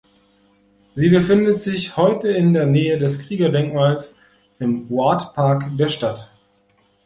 Sie befindet sich heute in der Nähe des Kriegerdenkmals im Ward Park der Stadt.